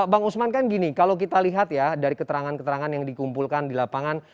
bang usman kan gini kalau kita lihat ya dari keterangan keterangan yang dikumpulkan di lapangan